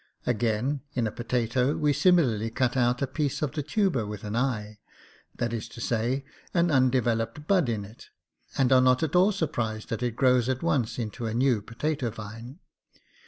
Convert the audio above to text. Again, in a potato, we similarly cut out a piece of the tuber with an eye — that is to say, an undeveloped bud — in it, and are not at all surprised that it grows at once into a new potato vine.